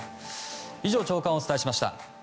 以上、朝刊をお伝えしました。